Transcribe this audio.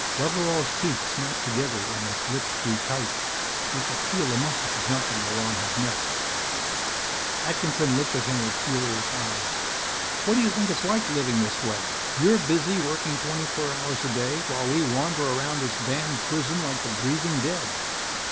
Loveral's teeth snapped together and his lips grew tight. He could feel a muscle jumping along his neck. Atkinson looked at him with furious eyes. "What do you think it's like, living this way? You're busy working twenty four hours a day, while we wander around this damned prison like the breathing dead.